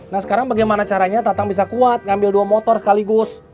nah sekarang bagaimana caranya tatang bisa kuat ngambil dua motor sekaligus